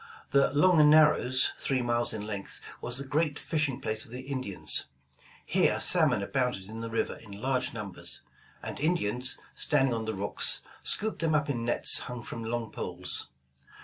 The ''Long Narrows," three miles in length, was the great fishing place of the Indians. Here salmon abounded in the river in large numbers, and Indians, standing on the rocks scooped them up in nets hung from long poles.